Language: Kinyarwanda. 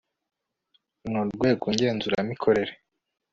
nu rwego ngenzuramikorere